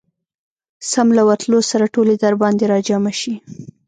سم له ورتلو سره ټولې درباندي راجمعه شي.